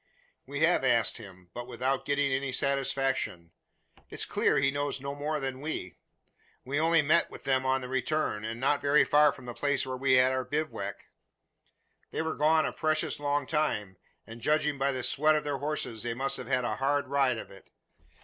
"We have asked him, but without getting any satisfaction. It's clear he knows no more than we. He only met them on the return and not very far from the place where we had our bivouac. They were gone a precious long time; and judging by the sweat of their horses they must have had a hard ride of it.